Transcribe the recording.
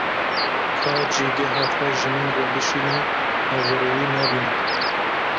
Ka cîgeha xwe ji min re bişîne, ez rêyê nabînim.